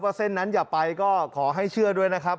เส้นนั้นอย่าไปก็ขอให้เชื่อด้วยนะครับ